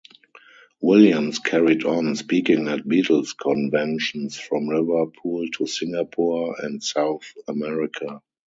Williams carried on speaking at Beatles conventions from Liverpool to Singapore and South America.